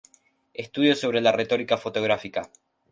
Estudios sobre la retórica fotográfica""..